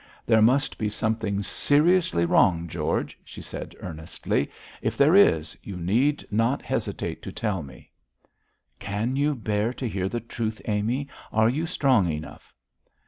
'There must be something seriously wrong, George,' she said earnestly; 'if there is, you need not hesitate to tell me.' 'Can you bear to hear the truth, Amy? Are you strong enough?'